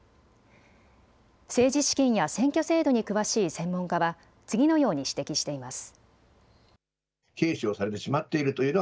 政治資金や選挙制度に詳しい専門家は次のように指摘しています。